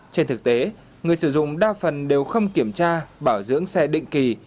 trên thực tế người sử dụng đa phần đều không kiểm tra bảo dưỡng xe định kỳ